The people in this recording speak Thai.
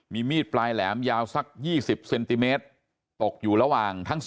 มีมีธปลายแหลมยาวซะ๒๐ซัลมิเมตรตกอยู่ระหว่างทั้ง๒ศพ